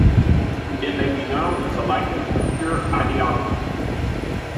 It may be known as a language of pure ideology.